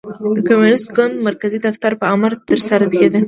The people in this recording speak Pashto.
د کمونېست ګوند مرکزي دفتر په امر ترسره کېده.